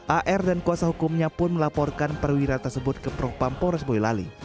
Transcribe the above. ar dan kuasa hukumnya pun melaporkan perwira tersebut ke prokpampores boyolali